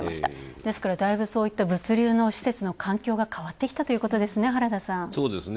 ですから、だいぶそういった物流施設の環境が変わってきたということですね、原田さん。